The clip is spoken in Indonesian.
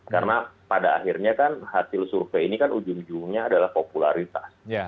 karena pada akhirnya kan hasil survei ini kan ujung ujungnya adalah popularitas